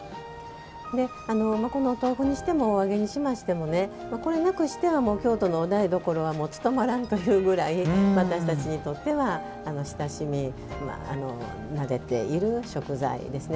この豆腐にしてもお揚げにしましてもこれなくしては京都のお台所は務まらんというぐらい私たちにとっては親しみなでている食材ですね。